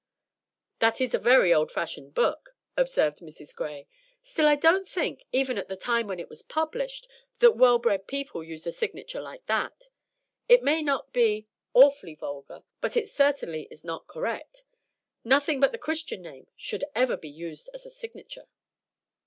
"That is a very old fashioned book," observed Mrs. Gray; "still I don't think, even at the time when it was published, that well bred people used a signature like that. It may not be 'awfully vulgar,' but it certainly is not correct; nothing but the Christian name should ever be used as a signature."